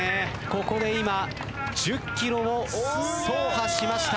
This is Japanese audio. ここで今１０ｋｍを走破しました。